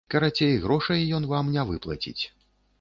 Карацей, грошай ён вам не выплаціць.